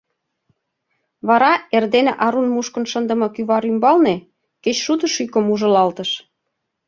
Вара эрдене арун мушкын шындыме кӱвар ӱмбалне кечшудо шӱкым ужылалтыш.